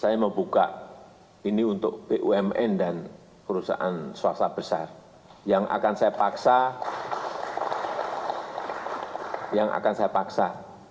saya mau buka ini untuk bumn dan perusahaan swasta besar yang akan saya paksa